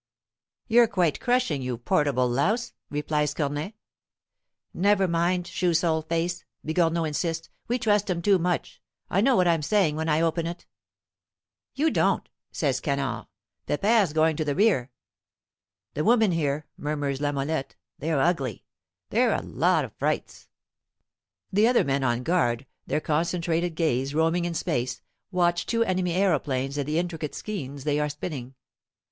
"You're quite crushing, you portable louse," replies Cornet. "Never mind, shoe sole face," Bigornot insists; "we trust 'em too much. I know what I'm saying when I open it." "You don't," says Canard. "Pepere's going to the rear." "The women here," murmurs La Mollette, "they're ugly; they're a lot of frights." The other men on guard, their concentrated gaze roaming in space, watch two enemy aeroplanes and the intricate skeins they are spinning.